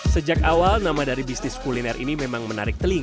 sejak awal nama dari bisnis kuliner ini memang menarik telinga